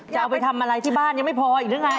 จะเอาไปทำอะไรที่บ้านยังไม่พออีกหรือไง